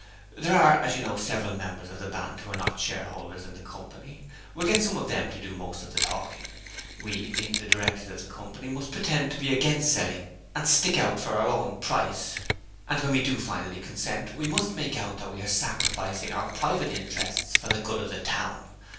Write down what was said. There are, as you know several members of the Band who are not shareholders in the company; we'll get some of them to do most of the talking. We, being the directors of the company, must pretend to be against selling, and stick out for our own price; and when we do finally consent we must make out that we are sacrificing our private interests for the good of the Town.